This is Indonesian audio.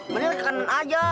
mendingan ke kanan aja